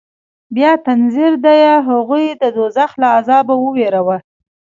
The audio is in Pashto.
بيا تنذير ديه هغوى د دوزخ له عذابه ووېروه.